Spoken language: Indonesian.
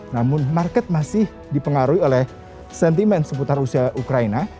namun market masih dipengaruhi oleh sentimen seputar rusia ukraina